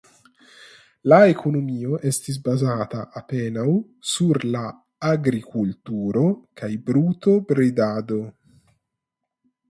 La ekonomio estis bazata apenaŭ sur la agrikulturo kaj brutobredado.